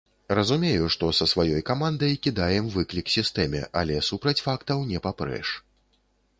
Разумею, што са сваёй камандай кідаем выклік сістэме, але супраць фактаў не папрэш.